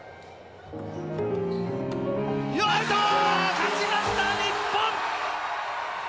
勝ちました、日本！